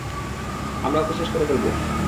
আমরা ওকে শেষ করবো।